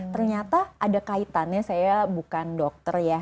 ternyata ada kaitannya saya bukan dokter ya